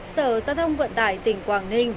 sở gia thông vận tải tỉnh quảng ninh